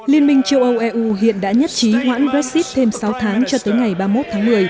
liên minh châu âu eu hiện đã nhất trí hoãn brexit thêm sáu tháng cho tới ngày ba mươi một tháng một mươi